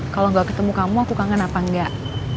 kalau gak ketemu kamu aku kangen apa enggak